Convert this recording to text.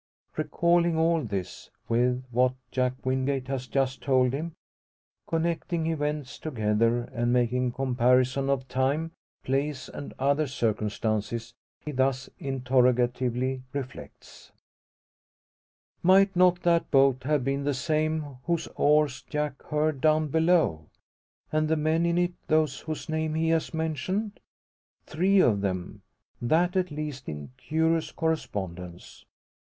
Recalling all this, with what Jack Wingate has just told him, connecting events together, and making comparison of time, place, and other circumstances, he thus interrogatively reflects: "Might not that boat have been the same whose oars Jack heard down below? And the men in it those whose names he has mentioned? Three of them that at least in curious correspondence!